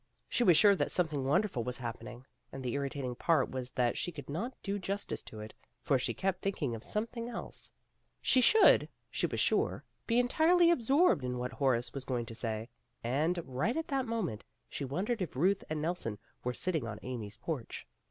She was sure that something wonderful was happening. And the irritating part was that she could not do justice to it, for she kept thinking of something else. She should, she was sure, be entirely absorbed in what Horace was going to say ; and right at that moment, she wondered if Euth and Nelson were sitting on Amy's porch.